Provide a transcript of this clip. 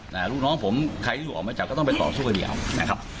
ลูกน้องผมใครที่ถูกออกมาจับก็ต้องไปต่อสู้คดีเอานะครับ